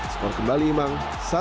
skor kembali imang satu